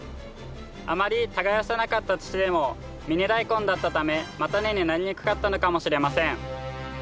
あまり耕さなかった土でもミニダイコンだったため叉根になりにくかったのかもしれません。